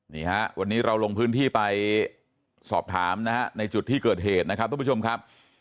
นี่ฮะวันนี้เราลงพื้นที่ไปสอบถามนะฮะในจุดที่เกิดเหตุนะครับทุกผู้ชมครับ